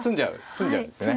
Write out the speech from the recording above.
詰んじゃうんですね。